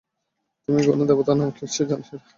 তুমি কোনো দেবতা না নিশ্চয়ই জানো সেটা?